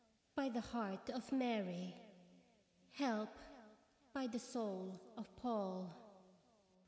by the heart of Mary! Help! by the soul of Paul!